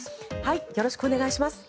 よろしくお願いします。